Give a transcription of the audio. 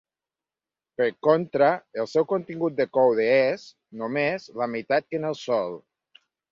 Per contra, el seu contingut de coure és només la meitat que en el Sol.